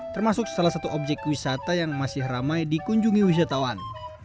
termasuk salah satu objek wisata yang masih ramai dikunjungi wisatawan